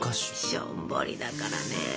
しょんぼりだからね。